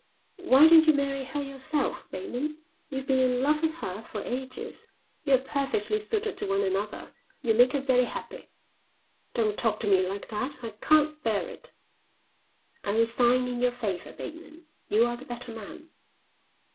"Why don't you marry her yourself, Bateman? You've been in love with her for ages. You're perfectly suited to one another. You'll make her very happy." "Don't talk to me like that. I can't bear it." "I resign in your favour, Bateman. You are the better man."